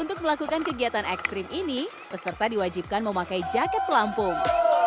untuk melakukan kegiatan ekstrim ini peserta diwajibkan memakai jaket pelampung